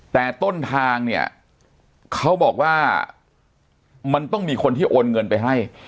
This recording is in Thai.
แต่ต้นทางเนี่ยเขาบอกว่ามันต้องมีคนที่โอนเงินไปให้